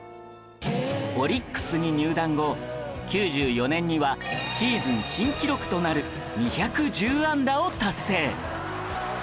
オリックスに入団後９４年にはシーズン新記録となる２１０安打を達成